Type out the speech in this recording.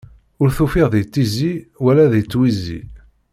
Ur t-ufiɣ di tizi, wala di twizi.